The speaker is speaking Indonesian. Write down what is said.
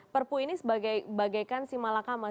perpu ini sebagai bagaikan si malakama